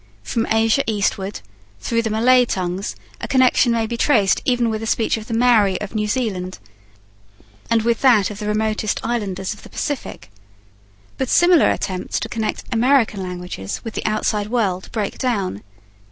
From Asia eastward, through the Malay tongues, a connection may be traced even with the speech of the Maori of New Zealand, and with that of the remotest islanders of the Pacific. But similar attempts to connect American languages with the outside world break down.